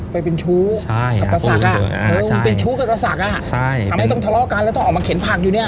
ไปเป็นชู้กับประสักเป็นชู้กับประสักทำให้ต้องทะเลาะกันแล้วต้องออกมาเข็นผักอยู่เนี่ย